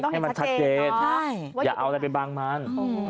มันต้องเห็นชัดเจนอย่าเอาแต่เป็นบางมัน